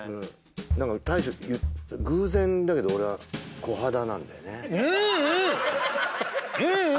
何か大将言っ偶然だけど俺はこはだなんだよねんん！んん！